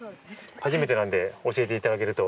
初めてなんで、教えていただけると。